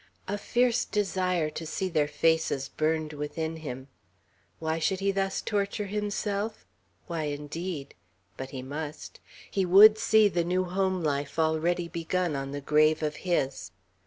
A fierce desire to see their faces burned within him. Why should he thus torture himself? Why, indeed? But he must. He would see the new home life already begun on the grave of his.